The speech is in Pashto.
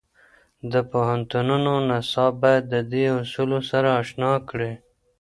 د پوهنتونو نصاب باید د دې اصولو سره اشنا کړي.